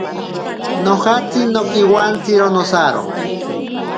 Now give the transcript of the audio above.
Nojatsi nonkiwantsiro nosaro.